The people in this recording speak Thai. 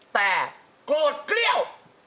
แต่โกรธเกลี้ยว